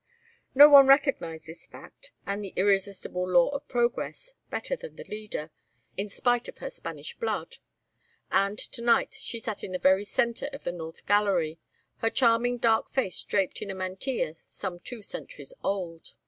No one recognized this fact, and the irresistible law of progress, better than the Leader, in spite of her Spanish blood; and to night she sat in the very centre of the north gallery, her charming dark face draped in a mantilla some two centuries old.